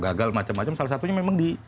gagal macam macam salah satunya memang di